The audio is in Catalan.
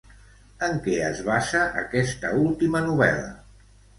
En què es basa aquesta última novel·la?